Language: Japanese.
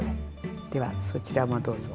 ではそちらもどうぞ。